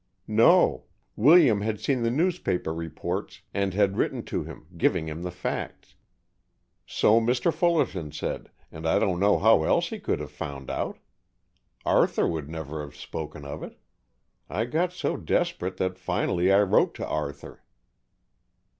"No. William had seen the newspaper reports and had written to him, giving him the facts. So Mr. Fullerton said, and I don't know how else he could have found out. Arthur would never have spoken of it. I got so desperate that finally I wrote to Arthur."